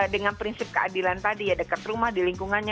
dengan prinsip keadilan tadi ya dekat rumah di lingkungannya